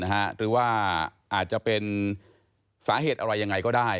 หรือว่าอาจจะเป็นสาเหตุอะไรยังไงก็ได้